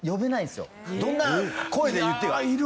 どんな声で言っていいか。